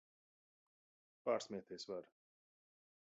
Pārsmieties var!